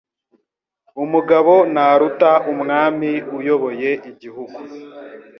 Umugabo ntaruta Umwami uyoboye igihugu